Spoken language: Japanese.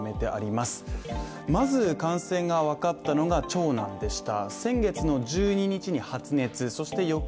まず感染が分かったのが長男でした。